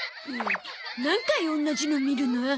何回おんなじの見るの？